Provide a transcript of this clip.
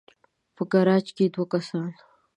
په ګراج کې دوه کسان